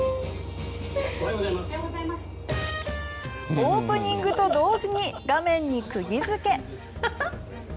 オープニングと同時に画面に釘付け。